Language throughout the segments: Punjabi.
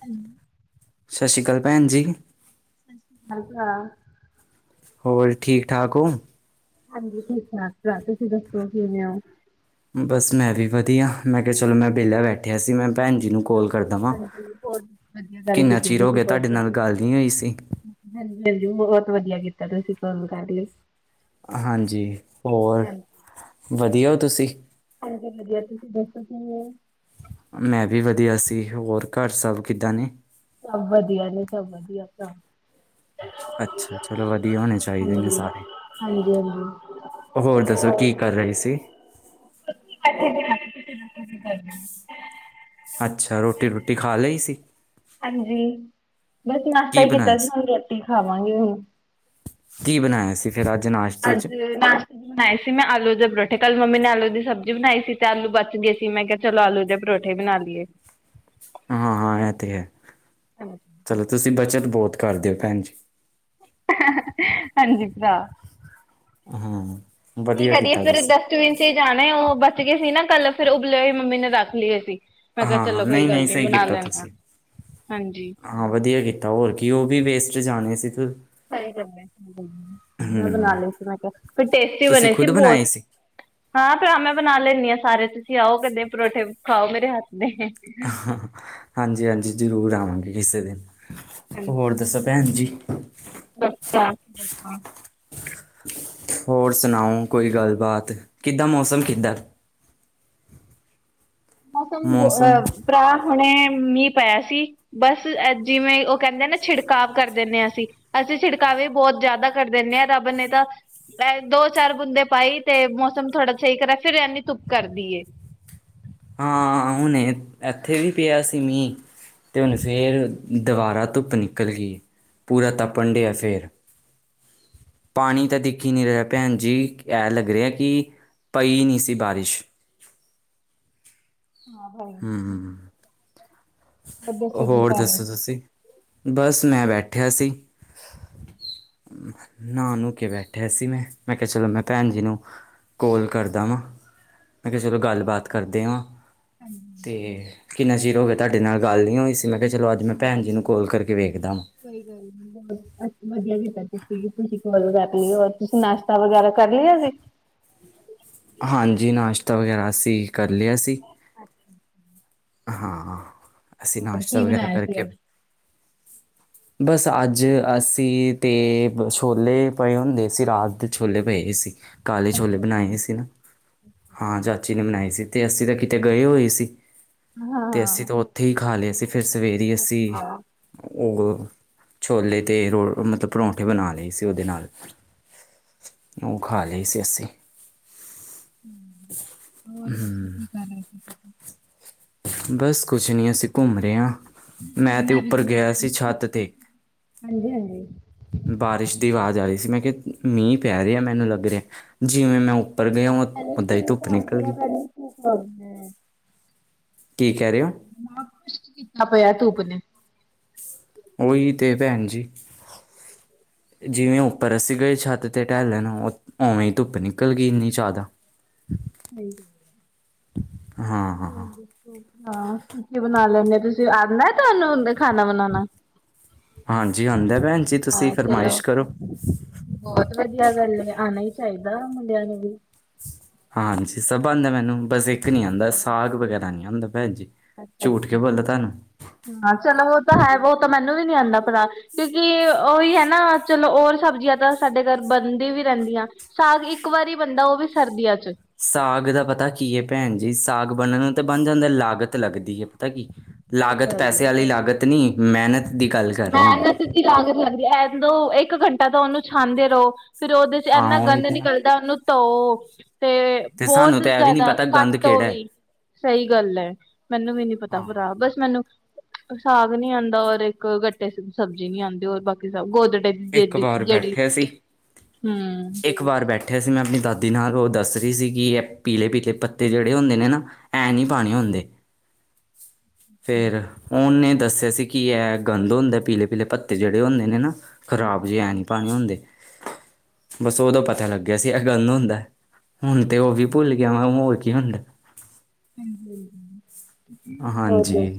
ਹ [inaudible] ਸਤਿ ਸ਼੍ਰੀ ਅਕਾਲ ਭੈਣ ਜੀ। ਸਤਿ ਸ਼੍ਰੀ ਅਕਾਲ ਭਰਾ [unintelligible] ਹੋਰ ਠੀਕ ਠਾਕ ਹੋ? ਹਾਂਜੀ ਠੀਕ ਠਾਕ ਤੁਸੀਂ ਦੱਸੋ ਕਿਵੇਂ ਹੋ। ਬਸ ਮੈਂ ਵੀ ਵਧੀਆ, ਮੈਂ ਕਿਹਾ ਚਲੋ ਮੈਂ ਵਿਹਲਾ ਬੈਠਿਆ ਸੀ ਮੈਂ ਭੈਣ ਜੀ ਨੂੰ ਕੋਲ ਕਰਦਾ ਵਾਂ, ਹਾਂਜੀ ਹੋਰ ਵਧੀਆ ਗੱਲ ਕਿੰਨਾ ਕੀਤੀ ਚਿਰ ਹੋ ਤੁਸੀਂ ਗਿਆ ਫੋਨ ਤੁਹਾਡੇ ਨਾਲ ਕਰਕੇ। ਗੱਲ ਨੀ ਹੋਈ ਸੀ। ਹਾਂਜੀ ਹਾਂਜੀ ਬਹੁਤ ਵਧੀਆ ਕੀਤਾ ਤੁਸੀਂ ਕੋਲ ਕਰ ਲਈ। ਹਾਂਜੀ ਹੋਰ ਹਾਂਜੀ ਵਧੀਆ ਔ ਤੁਸੀਂ? ਹਾਂਜੀ ਵਧੀਆ ਤੁਸੀਂ ਦੱਸੋ ਕਿਵੇਂ ਹੋ। ਮੈਂ ਵੀ ਵਧੀਆ ਸੀ, ਹੋਰ ਘਰ ਸਭ ਕਿੱਦਾਂ ਨੇ? ਸਭ ਵਧੀਆ ਨੇ ਸਭ ਵਧੀਆ ਭ ਅੱਛਾ ਚਲੋ ਵਧੀਆ ਹੋਣੇ ਚਾਹੀਦੇ ਨੇ ਹਾਂਜੀ ਸਾਰੇ। ਹਾਂਜੀ ਹਾਂਜੀ। ਹੋਰ ਦੱਸੋ ਕੀ ਕਰ ਰਹੇ ਸੀ? ਕਰ [unintelligible] ਅੱਛਾ ਰੋਟੀ ਰੂਟੀ ਖਾ ਲਈ ਸੀ। ਹਾਂਜੀ ਬਸ ਨਾਸ਼ਤਾ ਕੀ ਹੀ ਕੀਤਾ ਬਣਾਇਆ ਸੀ ਹੁਣ ਰੋਟੀ ਖਾਵਾਂਗੇ ਹੁਣ। ਕੀ ਬਣਾਇਆ ਸੀ ਫੇਰ ਅੱਜ ਨਾਸ਼ ਅੱਜ ਨਾਸ਼ ਬਣਾਏ ਸੀ ਮੈਂ ਆਲੂ ਦੇ ਪਰੋਠੇ ਕੱਲ ਮੰਮੀ ਨੇ ਆਲੂ ਦੀ ਸਬਜ਼ੀ ਬਣਾਈ ਸੀ ਤੇ ਆਲੂ ਬਚ ਗਏ ਸੀ ਮੈਂ ਕ ਚਲੋ ਆਲੂ ਦੇ ਪਰੌਠੇ ਬਣਾ ਲਈਏ। ਹਾਂ-ਹਾਂ ਏ ਤੇ ਹੈ, ਚਲੋ ਤੁਸੀਂ ਬੱਚਤ ਬੋਤ ਕਰਦੇ ਓ ਭੈਣ ਜੀ। ਹਾਂਜੀ ਭਰਾ। ਹਾਂ ਕੀ ਵਧੀਆ ਕਰਦੇ ਕੀਤਾ ਫੇਰ ਤੁਸੀਂ ਇਦਾ ਬੀਨ ਈ ਜਾਣੇ ਉਹ ਬਚ ਗਏ ਸੀ ਨਾ ਕੱਲ ਫੇਰ ਉਬਲੇ ਹੋਈ ਮੰਮੀ ਨੇ ਰੱਖ ਲੇ ਸੀ। ਮੈਂ ਕਿਆ ਹਾਂ ਹਾਂ ਚਲੋ ਕੋਈ ਨਹੀਂ ਗੱਲ ਨਹੀਂ ਨੀ ਸਹੀ ਬਣਾ ਕੀਤਾ ਲੈਨੇ ਆ ਤੁਸੀਂ ਹਾਂਜੀ। ਹਾਂ ਵਧੀਆ ਕੀਤਾ ਹੋਰ ਕੀ ਉਹ ਵੀ ਵੇਸਟ ਜਾਣੇ ਸੀ ਫਿਰ। ਸਈ ਕਰਦਾ ਮੈਂ ਬਣਾ ਲਏ ਸੀ ਮੈਂ ਕਿਆ ਟੇਸਟੀ ਤੁਸੀਂ ਬਣੇ ਸੀ ਖੁਦ ਬੋਤ। ਬਣਾਏ ਹਾਂ ਫਿਰ ਆ ਮੈਂ ਬਣਾ ਲੈਨੀ ਆ ਸਾਰੇ ਤੁਸੀਂ ਆਓ ਕਦੇ ਪਰੌਠੇ ਖਾਓ ਮੇਰੇ ਹੱਥ ਦੇ। ਹਾਂਜੀ-ਹਾਂਜੀ ਜ਼ਰੂਰ ਆਵਾਂਗੇ ਕਿਸੇ ਦਿਨ। ਹੋਰ ਹਾਂਜੀ ਦੱਸੋ ਭੈਣ ਜੀ। [unintelligible] ਹੋਰ ਸੁਣਾਓ ਕੋਈ ਗੱਲਬਾਤ, ਕਿੱਦਾਂ ਮੌਸਮ ਕਿੱਦਾਂ? ਮੌਸਮ ਅਹ ਭਰਾ ਹੁਣੇ ਮੀਂ ਪਾਇਆ ਸੀ। ਬਸ ਅ ਜਿਵੇਂ ਉਹ ਕੇਂਦੇ ਆ ਨਾ ਛਿੜਕਾਵ ਕਰ ਦੇਨੇ ਆ ਅਸੀਂ। ਅਸੀਂ ਛਿੜਕਾਵੇ ਬੋਤ ਜਾਦਾ ਕਰ ਦੇਨੇ ਆ ਰੱਬ ਨੇ ਤਾਂ ਦੋ ਚਾਰ ਬੁੰਦੇ ਪਾਈ ਤੇ ਮੌਸਮ ਥੋੜਾ ਸਈ ਕਰਾ ਫਿਰ ਐਨੀ ਧੁੱਪ ਕਰਦੀਏ। ਹਾਂ ਹੁਣੇ ਐਥੇ ਵੀ ਪਿਆ ਸੀ ਮੀ। ਤੇ ਹੁਨ ਫੇਰ ਦੁਬਾਰਾ ਧੁੱਪ ਨਿਕਲ ਗਈ ਪੂਰਾ ਤਪਨ ਡਿਆ ਫੇਰ। ਪਾਨੀ ਤੇ ਦਿਖ ਹੀ ਨੀ ਰਿਆ ਭੈਣ ਜੀ ਐ ਲੱਗ ਰਿਆ ਕਿ ਪਈ ਨੀ ਸੀ ਬਾਰਿਸ਼। ਹਾਂ ਹ ਹੂੰ-ਹੂੰ, ਹੂੰ। ਹੋਰ ਦੱਸੋ ਤੁਸੀਂ, ਬਸ ਮੈਂ ਬੈਠਿਆ ਸੀ। ਨਾ ਨੂੰ ਕੇ ਬੈਠਿਆ ਸੀ ਮੈਂ, ਮੈਂ ਕਿਆ ਚਲੋ ਮੈਂ ਭੈਣ ਜੀ ਨੂੰ ਕੋਲ ਕਰਦਾ ਵਾ। ਮੈਂ ਕਿਆ ਚਲੋ ਗੱਲਬਾਤ ਕਰਦੇ ਆ ਤੇ ਕਿੰਨਾ ਚਿਰ ਹੋ ਗਿਆ ਤਾਡੇ ਨਾਲ ਗੱਲ ਨੀ ਹੋਈ ਸੀ ਮੈਂ ਕਿਆ ਚਲੋ ਅੱਜ ਮੈਂ ਭੈਣ ਜੀ ਨੂੰ ਕੋਲ ਕਰਕੇ ਵੇਖਦਾ ਵਾ। ਕੋਈ ਗੱਲ ਨੀ ਵਧੀਆ ਕੀਤਾ ਤੁਸੀ, ਤੁਸੀਂ ਕੋਲ ਕਰ ਲਈ ਓ ਤੁਸੀਂ ਨਾਸ਼ਤਾ ਵਗੈਰਾ ਕਰ ਲਿਆ ਜੇ। ਹਾਂਜੀ ਨਾਸ਼ਤਾ ਵਗੈਰਾ ਅਸੀਂ ਕਰ ਲਿਆ ਸੀ। ਹਾਂ ਅਸੀਂ ਨਾਸ਼ਤਾ ਵਗੈਰਾ ਕਰਕੇ ਬਸ ਅੱਜ ਅਸੀਂ ਤੇ ਛੋਲੇ ਪਏ ਹੁੰਦੇ ਸੀ ਰਾਤ ਦੇ ਛੋਲੇ ਪਏ ਸੀ। ਕਾਲੇ ਛੋਲੇ ਬਣਾਏ ਸੀ ਨਾ, ਹਾਂ ਚਾਚੀ ਨੇ ਬਨਾਏ ਸੀ ਤੇ ਅਸੀਂ ਤੇ ਕਿਤੇ ਗਏ ਹੋਏ ਸੀ। ਹਾਂ। ਤੇ ਅਸੀਂ ਤੇ ਉੱਥੇ ਹੀ ਖਾ ਲੇ ਸੀ ਫੇਰ ਸਵੇਰੇ ਅਸੀਂ ਹਾਂ ਉਹ ਛੋਲੇ ਤੇ ਰੋ ਮਤਲਬ ਪਰੌਂਠੇ ਬਣਾ ਲਏ ਸੀ ਉਦੇ ਨਾਲ। ਔ ਖਾ ਲਈ ਸੀ ਅੱਸੀ। ਹੂੰ, ਹੋਰ ਦੱਸੋ ਕੀ ਕਰ ਰਹੇ ਤੁਸੀਂ। ਬਸ ਕੁਛ ਨੀ ਅਸੀਂ ਘੁੰਮ ਰੇ ਆ ਮੈਂ ਤੇ ਉੱਪਰ ਗਿਆ ਸੀ ਛੱਤ ਤੇ। ਹਾਂਜੀ-ਹਾਂਜੀ। ਬਾਰਿਸ਼ ਦੀ ਆਵਾਜ਼ ਆ ਰਹੀ ਸੀ ਮੈਂ ਕਿਹਾ ਮੀਂਹ ਪੈ ਰਿਹਾ ਮੈਨੂੰ ਲੱਗ ਰਿਹਾ ਜਿਵੇਂ ਮੈਂ ਉੱਪਰ ਗਿਆ ਪ ਉੱਦਾਂ ਹੀ ਸੂ ਧੁੱਪ ਪਾ ਆ ਨਿਕਲ ਗਿਆ ਗਈ ਪੈ ਸੂ ਖ [unintelligible] ਕੀ ਕਹਿ ਰਹੇ ਹੋ ਦਿਮਾਗ ਕੁਛ ਕੀਤਾ ਪਿਆ ਧੂੱਪ ਨੇ ਉਹੀ ਤੇ ਭੈਣ ਜੀ ਜਿਵੇਂ ਉਹ ਪਰ ਅਸੀਂ ਗਏ ਛੱਤ ਤੇ ਢਹਿਲੈਣ ਉਵੇਂ ਹੀ ਧੁੱਪ ਨਿਕਲ ਗਈ ਇੰਨੀ ਜ਼ਿਆਦਾ ਨਹੀਂ ਗਿਆ ਹਾਂ ਹਾਂ ਹਾਂ ਹਾਂ ਕਿ ਕੀ ਬਣਾ ਲੈਂਦੇ ਆ ਤੁਸੀਂ ਆਨਾ ਤੁਹਾਨੂੰ ਹ ਖਾਣਾ ਬਣਾਉਣਾ ਹਾਂਜੀ ਆਉਂਦਾ ਭੈਣ ਜੀ ਤੁਸੀਂ ਹਾਂ ਚਲੋ ਫਰਮਾਇਸ਼ ਕਰੋ ਬਹੁਤ ਵਧੀਆ ਗੱਲ ਆਉਣਾ ਹੀ ਚਾਹੀਦਾ ਮੁੰਡਿਆਂ ਨੂੰ ਵੀ ਹਾਂਜੀ ਸਭ ਆਉਂਦਾ ਮੈਨੂੰ ਬਸ ਇੱਕ ਨ ਆਉਂਦਾ ਸਾਗ ਵਗੈਰਾ ਨਹੀਂ ਆਉਂਦਾ ਭੈਣ ਜੀ ਅੱਛਾ ਝੂਠ ਅੱਛਾ ਕੇ ਬੋਲਾ ਤੁਹਾਨੂੰ ਹਾਂ ਚਲੋ ਉਹ ਤਾਂ ਹੈ ਵੋ ਤੋ ਮੈਨੂੰ ਵੀ ਨੀ ਆਉਂਦਾ ਪਤਾ ਕਿਉਂਕਿ ਉਹੀ ਹੈ ਨਾ ਚਲੋ ਹੋਰ ਸਬਜ਼ੀਆਂ ਤਾਂ ਸਾਡੇ ਘਰ ਬਣਦੀ ਵੀ ਰਹਿੰਦੀਆਂ ਸਾਗ ਇੱਕ ਵਾਰੀ ਬਣਦਾ ਉਹ ਵੀ ਸਰਦੀਆਂ ਚ ਸਾਗ ਦਾ ਪਤਾ ਕੀ ਹੈ ਭੈਣ ਜੀ ਸਾਗ ਬਣਨ ਨੂੰ ਤਾਂ ਬਣ ਜਾਂਦਾ ਲਾਗਤ ਲੱਗਦੀ ਹੈ ਪਤਾ ਕੀ ਸਹੀ ਲਾਗਤ ਗੱਲ ਪੈਸੇ ਏ। ਵਾਲੀ ਲਾਗਤ ਨਹੀਂ ਮਿਹਨਤ ਦੀ ਗੱਲ ਕਰ ਰਿਹਾ ਵਾਂ ਮਿਹਨਤ ਲਾਗਤ ਲੱਗਦੀ ਐ ਦੋ ਇੱਕ ਘੰਟਾ ਤਾਂ ਉਹਨੂੰ ਛਾਂਦੇ ਰਹੋ ਫਿਰ ਉਹਦੇ ਚ ਹਾਂ ਇੰਨਾ ਉਹੀ ਗੰਦ ਤੇ ਨਾ ਨਿਕਲਦਾ ਉਹਨੂੰ ਧੋ ਤੇ ਤੇ ਸਾਨੂੰ ਬਹੁਤ ਤਾਂ ਇਹ ਵੀ ਨਹੀਂ ਜ਼ਿਆਦਾ ਪਤਾ ਗੰਦ ਘੱਟ ਉਹ ਕਿਹੜਾ ਵੀ ਹੈ। ਸਹੀ ਗੱਲ ਹੈ ਮੈਨੂੰ ਵੀ ਨੀ ਪਤਾ ਹਾਂ ਬਸ ਮੈਨੂੰ ਸਾਗ ਨੀ ਆਉਂਦਾ ਔਰ ਇੱਕ ਗੱਟੇ ਸਬਜ਼ੀ ਨੀ ਆਉਂਦੀ ਰ ਬਾਕੀ ਸਭ ਗੋਦੜੇ ਦੀ ਇੱਕ ਜਦ ਵਾਰ ਜੜੀ ਬੈਠਿਆ ਸੀ। ਹੂੰਮ ਇੱਕ ਵਾਰ ਬੈਠਿਆ ਸੀ ਮੈਂ ਆਪਣੀ ਦਾਦੀ ਨਾਲ ਉਹ ਦੱਸ ਰਹੀ ਸੀ ਕਿ ਇਹ ਪੀਲੇ ਪੀਲੇ ਪੱਤੇ ਜਿਹੜੇ ਹੁੰਦੇ ਨੇ ਨਾ ਐਂ ਨਹੀਂ ਪਾਉਣੇ ਹੁੰਦੇ ਕੀ ਹੈ ਗੰਦ ਹੁੰਦਾ ਪੀਲੇ ਪੀਲੇ ਪੱਤੇ ਜਿਹੜੇ ਹੁੰਦੇ ਨੇ ਨਾ ਖਰਾਬ ਜਿਹੇ ਨਹੀਂ ਪਾਣੇ ਹੁੰਦੇ ਬਸ ਉਦੋਂ ਪਤਾ ਲੱਗਿਆ ਸੀ ਇਹ ਗੰਦ ਹੁੰਦਾ ਹੁਣ ਤੇ ਉਹ ਵੀ ਭੁੱਲ ਗਿਆ ਵਾ ਹੋਰ ਕੀ ਹੁੰਦਾ ਹਾਂਜੀ ਹਾਂਜੀ ਹਾਂਜੀ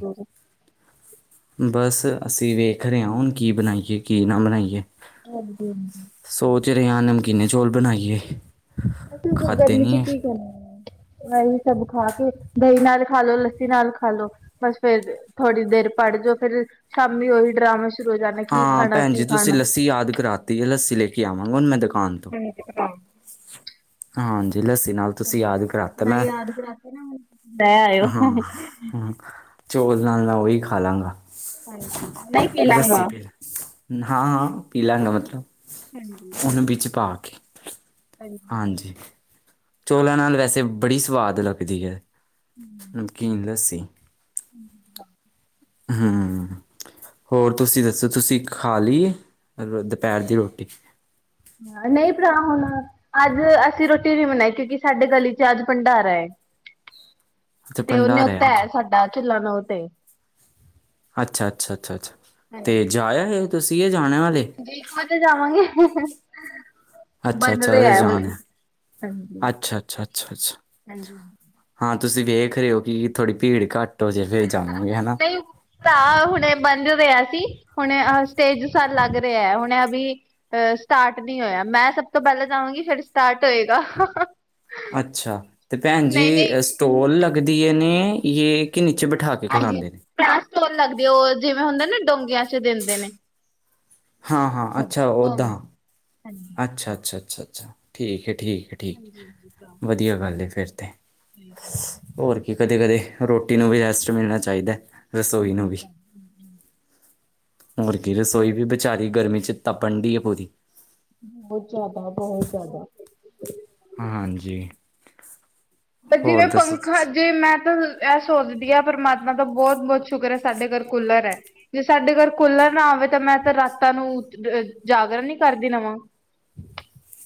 ਬਸ ਅਸੀਂ ਵੇਖ ਰਹੇ ਹਾਂ ਹੁਣ ਕੀ ਬਣਾਈਏ ਕੀ ਨਾ ਬਣਾਈਏ ਹਾਂਜੀ ਹਾਂਜੀ ਸੋਚ ਰਿਹਾ ਨਮਕੀਨੇ ਚੌਲ ਬਣਾਈਏ ਮੈਸ ਖਾਧੇ ਗਰਮੀ ਚ ਨੀ ਐ। ਕੀ ਕਰਨਾ ਇਹੀ ਸਭ ਖਾ ਕੇ ਦਹੀਂ ਨਾਲ ਖਾਲੋ ਲੋ ਲੱਸੀ ਨਾਲ ਖਾ ਲੋ ਬਸ ਫੇਰ ਥੋੜ੍ਹੀ ਦੇਰ ਪੜ੍ਹ ਜੋ ਫੇਿਰ ਸ਼ਾਮੀ ਉਹੀ ਡਰਾਮਾ ਸ਼ੁਰੂ ਹੋ ਜਾਣਾ ਕੀ ਹਾਂ ਖਾਣਾ ਭੈਣ ਕੀ ਜੀ ਤੁਸੀਂ ਖਾਣਾ ਲੱਸੀ ਯਾਦ ਕਰਾਤੀ ਹੈ ਲੱਸੀ ਲੈ ਕੇ ਆਵਾਂਗਾ ਹੁਣ ਮੈਂ ਦੁਕਾਨ ਤੋਂ। ਹ ਹਾਂ ਹਾਂਜੀ ਲੱਸੀ ਨਾਲ ਤੁਸੀਂ ਚਲੋ ਯਾਦ ਕਰਾਤਾ ਮੈਂ ਯਾਦ ਕਰਾਂ ਤਾਂ ਲੈ ਹਾਂ। ਆਇਉਂ ਹਾਂ, ਚੌਲ ਨਾਲ ਦਾ ਉਹੀ ਖਾ ਲਾਂਗਾ ਹਾਂਜੀ ਮੈਂ ਕੀ ਲੱਸੀ ਲਾਂਗਾ ਪੀ ਲ ਹਾਂ ਹਾਂ ਪੀ ਲਾਂਗਾ ਮਤਲਬ ਉਹਨੂੰ ਵਿੱਚ ਪਾ ਕੇ ਹਾਂਜੀ ਹਾਂਜੀ ਚੌਲਾਂ ਨਾਲ ਵੈਸੇ ਬੜੀ ਸਵਾਦ ਲੱਗਦੀ ਐ, ਨਮਕੀਨ ਲੱਸੀ ਹੂੰ। ਹਾਂ ਹੋਰ ਤੁਸੀਂ ਦੱਸੋ ਤੁਸੀਂ ਖਾ ਲੀ ਏ ਦੁਪਹਿਰ ਦੀ ਰੋਟੀ ਨਈ ਭਰਾ ਹੁਨ ਅੱਜ ਅਸੀਂ ਰੋਟੀ ਨੀ ਬਨਾਈ ਕਿਉਂਕਿ ਸਾਡੇ ਗਲੀ ਚ ਅੱਜ ਭੰਡਾਰਾ ਏ। [inaudible] ਤੇ ਉਹਨੇ ਭੰਡਾਰ ਉਤਾ ਅੱਜ ਹੈ ਸਾਡਾ ਚੁਲਾ ਨੋ ਤੇ ਅੱਛਾ-ਅੱਛਾ-ਅੱਛਾ -ਅੱਛਾ ਤੇ ਜਾਇਆ ਓ, ਤੁਸੀਂ ਯਾਂ ਜਾਨਾ ਹਲੇ ਜੀ ਖੋਦ ਜਾਵਾਂਗੇ ਅੱਛਾ ਅੱਛਾ ਬਨਰੇ ਅਰੇ ਅ ਹੁਣ ਜਾਣ ਹੈ ਹਣਜੀ, ਅੱਛਾ ਅੱਛਾ ਅੱਛਾ ਅੱਛਾ ਹਾਂਜੀ ਹਾਂ ਤੁਸੀਂ ਵੇਖ ਰਹੇ ਓ, ਕਿ ਥੋੜੀ ਭੀੜ ਘੱਟ [unintelligible] ਗਾ ਨਈ ਭਰਾ ਹੁਣੇ ਬੰਧ ਰਿਹਾ ਸੀ ਹੁਣੇ ਅ ਸਟੇਜ ਸਾਲ ਲੱਗ ਰਿਹਾ ਹੁਨ ਅ ਵੀ ਅ ਸਟਾਰਟ ਨੀ ਹੋਇਆ ਮੈਂ ਸਭ ਤੋਂ ਪਹਿਲਾਂ ਚਾਹਾਂਗੀ ਫਿਰ ਸਟਾਰਟ ਹੋਏਗਾ। ਅੱਛਾ ਤੇ ਭੈਣ ਜੀ ਨਹੀਂ ਨਹੀਂ ਸਟੋਲ ਲੱਗਦੀਯਾਂ ਨੇ ਯ ਕਿ ਨੀਚੇ ਬਿਠਾਕੇ ਹਾਂਜੀ, [unintelligible] ਸਟੋਲ ਲਗਦੇ ਉਹ ਜਿਵੇਂ ਹੁੰਦੇ ਨਾ ਡੋਂਗਿਆਂ ਚ ਦਿੰਦੇ ਨੇ। ਹਾਂ- ਹਾਂ ਅੱਛਾ, ਓੱਦਾਂ। ਹਾਂਜੀ ਅੱਛਾ- ਅੱਛਾ- ਅੱਛਾ- ਅੱਛਾ ਠੀਕ ਐ, ਠੀਕ ਐ। ਠੀਕ, ਵਧੀਆ ਗੱਲ ਐ ਫੇਰ ਤੇ ਹੋਰ ਕੀ ਕਦੇ- ਕਦੇ ਰੋਟੀ ਨੂੰ ਵੀ ਰੈਸਟ ਮਿਲਨਾ ਚਾਹੀਦਾ, ਰਸੋਈ ਨੂੰ ਵੀ। ਹੋਰ ਕੀ ਰਸੋਈ ਵੀ ਬਚਾਰੀ ਗਰਮੀ 'ਚ ਤਪਨ ਡੀ ਅ ਪੂਰੀ ਬਹੁਤ ਜ਼ਿਆਦਾ, ਬਹੁਤ ਜਿਆਦਾ। ਹਾਂਜੀ ਤੇ ਹੋਰ ਜਿਵੇਂ ਦੱਸੋ ਪੰਖਾ ਤੁਸੀਂ? ਜੇ ਮੈਂ ਤਾਂ ਇਹ ਸੋਚਦੀ ਹਾਂ ਪਰਮਾਤਮਾ ਦਾ ਬਹੁਤ- ਬਹੁਤ ਸ਼ੁਕਰ ਹੈ ਸਾਡੇ ਘਰ ਕੁਲਰ ਐ। ਜੇ ਸਾਡੇ ਘਰ ਕੂਲਰ ਨਾ ਆਵੇ ਤਾਂ ਮੈਂ ਤਾਂ ਰਾਤਾਂ ਨੂੰ ਜਾਗਰਨ ਹੀ ਕਰਦੀ ਰਵਾਂ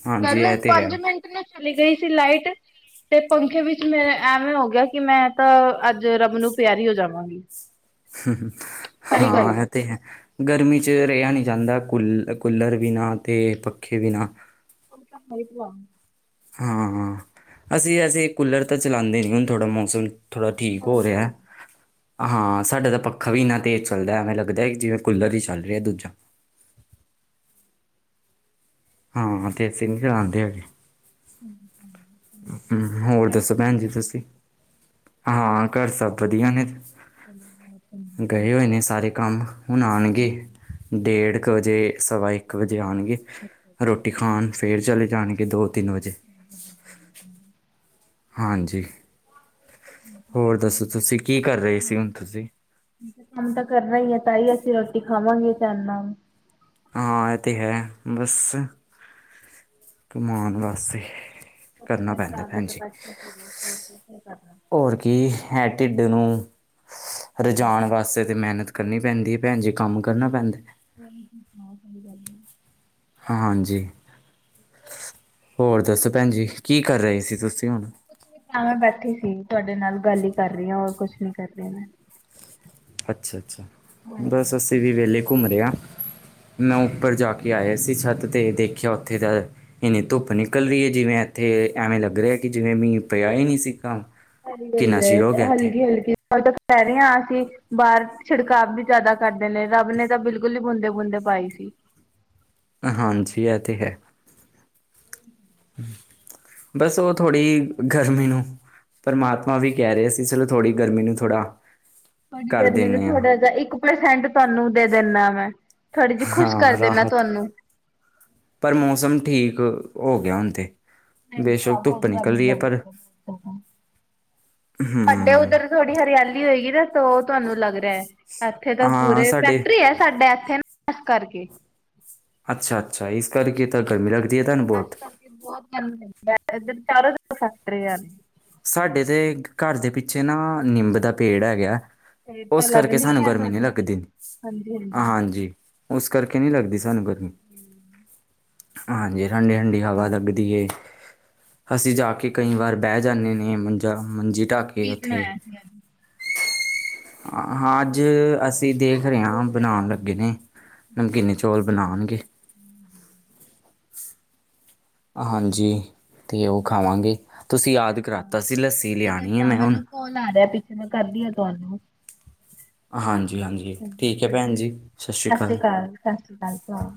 ਹਾਂਜੀ ਕੱਲ ਇਹ ਤੇ ਹੈ ਪੰਜ ਮਿੰਟ ਨਾਲ ਚਲੀ ਗਈ ਸੀ ਲਾਈਟ। ਤੇ ਪੰਖੇ ਵਿੱਚ ਮੇ ਐਵੇਂ ਹੋ ਗਿਆ ਕਿ ਮੈਂ ਤਾਂ ਅੱਜ ਰਬ ਨੂੰ ਪਿਆਰੀ ਹੋ ਜਾਵਾਂਗੀ ਹਾਂ, ਇਹ ਤੇ ਹੈ ਗਰਮੀ ਚ' ਰਿਹਾ ਨਈ ਜਾਂਦਾ ਕੂ ਕੂਲਰ ਬਿਨਾਂ ਤੇ ਪੱਖੇ ਬਿਨਾਂ। [unintelligible] ਹਾਂ- ਹਾਂ, ਅਸੀਂ- ਅਸੀਂ ਕੂਲਰ ਤਾਂ ਚਲਾਉਂਦੇ ਨੀ ਥੋੜ੍ਹਾ ਮੌਸਮ ਥੋੜਾ ਠੀਕ ਹੋ ਰਿਆ। ਹਾਂ ਸਾਡਾ ਤਾਂ ਪੱਖਾ ਵੀ ਇੰਨਾ ਤੇਜ਼ ਚੱਲਦਾ ਐਵੇਂ ਲੱਗਦਾ ਜਿਵੇਂ ਕੂਲਰ ਹੀ ਚੱਲ ਰਿਹਾ ਦੂਜਾ। ਹਾਂ- ਹਾਂ, ਤੇ ਅਸੀ ਨਹੀਂ ਚਲਾਂਦੇ ਹੈਗੇ। ਹੂੰ, ਹੂੰ ਹ ਹੋਰ ਦੱਸੋ ਭੈਣ ਜੀ ਤੁਸੀਂ ਹਾਂ ਘਰ ਸਭ ਵਧੀਆ ਨੇ? ਗਏ ਹੋਏ ਨੇ ਸਾਰੇ ਕੰਮ। ਹਹੁਨ ਆਨਗੇ ਡੇਢ ਕੁ ਵਜੇ ਸਵਾ ਏਕ ਇੱਕ ਵਜੇ ਆਨਗੇ ਰੋਟੀ ਖਾਨ ਫੇਰ ਚਲੇ ਜਾਣਗੇ ਦੋ-ਤਿੰਨ ਵਜੇ। ਹੱ ਹਾਂਜੀ, ਹੋਰ ਦੱਸੋ ਤੁਸੀਂ ਕੀ ਕਰ ਰਹੇ ਸੀ ਹੁਣ ਤੁਸੀਂ? ਕੰਮ ਤਾਂ ਕਰਨਾ ਈ ਏ ਤਾਂ ਈ ਅਸੀਂ ਰੋਟੀ ਖਾਵਾਂਗੇ ਚੈਨ ਨਾਲ ਹਾਂ ਐ ਤੇ ਹੈ ਬਸ ਕਮਾਨ ਵਾਸਤੇ ਕਰਨਾ ਅਪਣੇ ਪੈਂਦਾ ਪਰਾ ਦਾ ਭੈਣ ਤਾਂ ਜੀ ਬਸ ਕੁੱਛ ਨਾ ਪੁਛੋ ਓ ਕੁਛ ਨੀ ਕਰਦਾ ਹੋਰ ਕੀ ਹੈ ਢਿੱਡ ਨੂੰ ਰਜਾਣ ਵਾਸਤੇ ਤਾਂ ਮਿਹਨਤ ਕਰਨੀ ਪੈਂਦੀ ਐ ਪੈਣ ਜੀ ਕੰਮ ਕਰਨਾ ਪੈਂਦਾ ਹੋਰ ਤੁਸੀ ਸੁਣਾਓ ਕੋਈ ਗੱਲ ਹਾਂ ਹਾਂਜੀ। ਹੋਰ ਦੱਸੋ ਭੈਣ ਜੀ, ਕੀ ਕਰ ਰਹੇ ਸੀ ਤੁਸੀਂ ਹੁਣ? ਹਾਂ ਮੈਂ ਬੈਠੀ ਸੀ ਤੁਆਡੇ ਨਾਲ ਗੱਲ ਈ ਕਰ ਰਹੀ ਹਾਂ ਹੋਰ ਕੁਛ ਨੀ ਕਰ ਰਹੀ ਮੈਂ। ਅੱਛਾ-ਅੱਛਾ, ਬਸ ਅਸੀਂ ਵੀ ਵੇਲੇ ਕੁੰਮ ਰਹੇ ਆ। ਮੈਂ ਉੱਪਰ ਜਾ ਕੇ ਆਇਆ ਸੀ ਛੱਤ ਤੇ ਦੇਖਿਆ ਓਥੇ ਦਾ ਏਨੀੇ ਧੁੱਪ ਨਿਕਲ ਰੀ ਐ ਜਿਵੇਂ ਏਥੇ ਐਵੇਂ ਲੱਗ ਰਿਹਾ ਕਿ ਜਿਵੇਂ ਮੀ ਪਿਆ ਈ ਨੀ ਸੀਗਾ। ਸਈ ਗੱਲ ਐ ਹਲਕੀ-ਹਲਕੀ ਕੱਲ ਤੱਕ ਪੈ ਰਿਆਂ ਆ ਸੀ। ਬਾਰ ਛਿੜਕਾਵ ਵੀ ਜਾਦਾ ਕਰਦੇ ਨੇ ਰੱਬ ਨੇ ਤਾਂ ਬਿਲਕੁਲ ਹੀ ਬੂੰਦੇ-ਬੂੰਦੇ ਪਾਈ ਸੀ। ਹਾਂਜੀ ਐ ਤਾਂ ਹੈ। ਬਸ ਓ ਥੋੜ੍ਹੀ ਗਰਮੀ ਨੂੰ ਪਰਮਾਤਮਾ ਵੀ ਕੈ ਰਿਆ ਸੀ ਚਲੋ ਥੋੜ੍ਹੀ ਗਰਮੀ ਨੂੰ ਥੋੜ੍ਹਾ ਤੁਆਡੀ ਕਰ ਗਰਮੀ ਨੂੰ ਦਿੰਦੇ ਹਾਂ ਥੋੜਾ ਜੇਆ ਇੱਕ ਪਰਸੈਂਟ ਤੁਆਨੂੰ ਦੇ ਦਿੰਦਾ ਵੇ। ਥੋੜੀ ਜੀ ਖੁਸ਼ ਹਾਂ ਕਰਦੇ ਨਾ ਰਾਹਤ ਤੁਆਨੂੰ ਪਰ ਮੌਸਮ ਠੀਕ, ਹੋ ਗਿਆ ਹੁਨ ਤੇ ਨਹੀਂ ਤਾਂ ਬੇਸ਼ੱਕ ਧੁੱਪ ਬਹੁਤ ਨਿਕਲ ਗਰਮੀ ਰਹੀ ਹੈ ਪਰ ਲੱਗਦੀ ਐ, ਸਾਡੇ ਹਮ ਉਧਰ ਥੋਡੀ ਹਰਿਆਲੀ ਹੋਏਗੀ ਨਾ ਤੋ ਤੁਆਨੂੰ ਲੱਗ ਰਿਹਾ, ਏਥੇ ਤਾਂ ਹਾਂ ਪੂਰੇ ਸਾਡੇ ਫੈਕਟਰੀ ਐ। ਸਾਡੇ ਏਥੇ ਨਾ, ਏਸ ਕਰਕੇ ਅੱਛਾ-ਅੱਛਾ, ਇਸ ਕਰਕੇ ਤਾਂ ਗਰਮੀ ਲਗਦੀ ਏ, ਤਾਨੂੰ ਬੋਤ ਬੋਤ ਗਰਮੀ ਹੁੰਦੀ ਏ, ਏਧਰ ਚਾਰੋ ਫੈਕਟੀਆ ਨੇ ਸਾਡੇ ਤੇ ਕਰ ਦੇ ਪਿੱਛੇ ਨਾ ਨਿੰਬ ਦਾ ਪੇੜ ਹੈਗਾ। ਓਸ ਕਰਕੇ ਸਾਨੂੰ ਗਰਮੀ ਨਈ ਲੱਗਦੀ ਹਾਂਜੀ। ਉਸ ਕਰਕੇ ਨੀ ਲੱਗਦੀ ਸਾਨੂੰ ਗਰਮੀ ਹਾਂਜੀ ਠੰਡੀ-ਠੰਡੀ ਹਵਾ ਲੱਗਦੀ ਐ, ਅਸੀਂ ਜਾ ਕੇ ਕਈ ਵਾਰ ਬੈ ਜਾਨੇ ਨੇ ਮੰਜਾ-ਮੰਜੀ ਢਾਕੇ ਕੀ ਓਥੇ ਬਣਾਇਆ ਸੀ ਅੱਜ ਹਾਂ, ਅੱਜ ਅਸੀਂ ਦੇਖ ਰਹੇ ਹਾਂ ਬਣਾਣ ਲੱਗੇ ਨੇ। ਨਮਕੀਨ ਚੌਲ ਬਣਾਣਗੇ। ਹੂੰ। ਹਾਂਜੀ। ਤੇ ਉਹ ਖਾਵਾਂਗੇ, ਤੁਸੀਂ ਠੀਕ ਹੈ ਯਾਦ ਭਰਾ ਕਰਾਤਾ ਸੀ ਲੱਸੀ ਠੀਕ ਲਿਆਣੀ ਹੈ ਭਰਾ ਮੈਂ ਹੁਣ ਮੈਨੂੰ ਕੋਲ ਆ ਰਿਹਾ ਮੈਂ ਕਰਦੀ ਆ ਤੁਆਨੂੰ ਹਾਂਜੀ ਹਾਂਜੀ ਹਾਂਜੀ-ਹਾਂਜੀ ਹੈ ਠੀਕ ਭੈਣ ਏ ਜੀ ਸ਼੍ਰੀ ਸਤਿ ਸ੍ਰੀ ਅਕਾਲ ਕਾਲ-ਸਤਿ ਸ੍ਰੀ ਕਾਲ